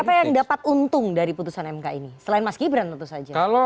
siapa yang dapat untung dari putusan mk ini selain mas gibran tentu saja